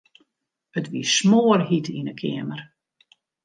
It wie smoarhjit yn 'e keamer.